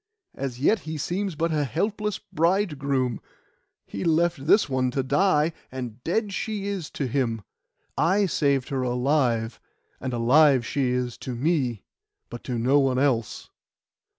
As yet he seems but a helpless bride groom. He left this one to die, and dead she is to him. I saved her alive, and alive she is to me, but to no one else.